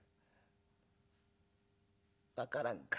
「分からんか。